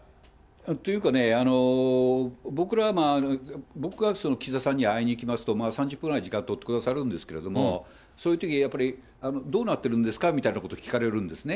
というかね、僕らは、岸田さんに会いに行きますと、３０分ぐらい時間取ってくださるんですけれども、そういうとき、やっぱり、どうなってるんですかみたいなことを聞かれるんですね。